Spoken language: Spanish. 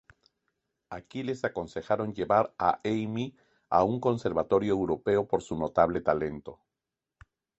Aquí les aconsejaron llevar a Amy a un conservatorio europeo por su notable talento.